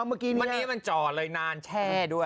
เมื่อกี้มันจอดเลยนานแช่ด้วย